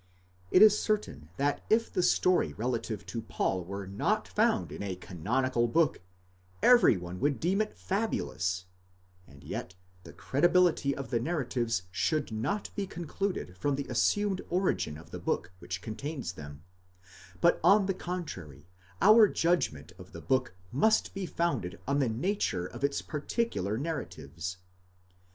It is certain that if the story relative to Paul were not found in a canonical book, every one would deem it fabulous, and yet the credibility of the narratives should not be concluded from the assumed origin of the book which contains them, but on the contrary, our judgment of the book must be founded on the nature of its particular narratives.